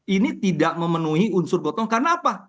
ini tidak memenuhi unsur gotong karena apa